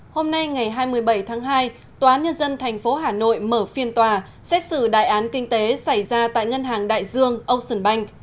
hôm nay ngày hai mươi bảy tháng hai tòa án nhân dân tp hà nội mở phiên tòa xét xử đại án kinh tế xảy ra tại ngân hàng đại dương ocean bank